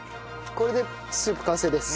これでスープ完成です。